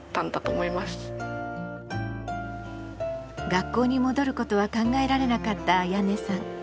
学校に戻ることは考えられなかったあやねさん。